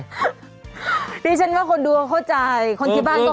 นี่ฉันก็คนดูเข้าใจคนที่บ้านก็เข้าใจ